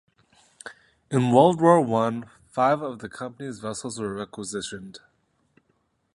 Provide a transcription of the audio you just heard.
In World War One five of the company's vessels were requisitioned.